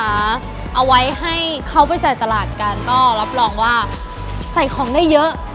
เอาไว้ให้เขาไปจ่ายตลาดกันก็รับรองว่าใส่ของได้เยอะ